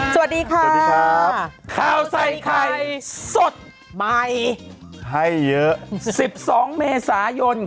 สวัสดีค่ะข้าวใส่ไข่สดใหม่ให้เยอะ๑๒เมษายน